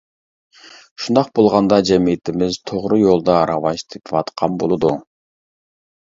شۇنداق بولغاندا جەمئىيىتىمىز توغرا يولدا راۋاج تېپىۋاتقان بولىدۇ.